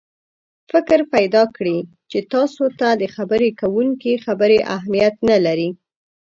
فکر پیدا کړي چې تاسې ته د خبرې کوونکي خبرې اهمیت نه لري.